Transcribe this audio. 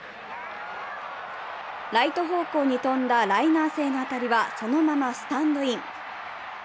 ライト方向に飛んだライナー性の当たりは、そのままスタンドイン。